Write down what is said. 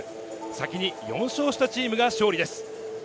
先に４勝したチームが勝利です。